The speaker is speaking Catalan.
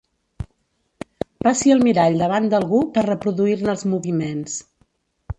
Passi el mirall davant d'algú per reproduir-ne els moviments.